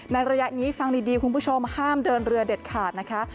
ระยะนี้ฟังดีคุณผู้ชมห้ามเดินเรือเด็ดขาดนะคะ